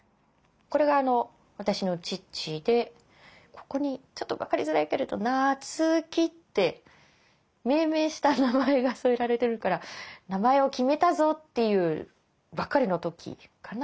これが私の父でここにちょっと分かりづらいけれど「菜津紀」って命名した名前が添えられてるから名前を決めたぞっていうばっかりの時かな。